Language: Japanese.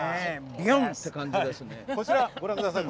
ビュンって感じですね。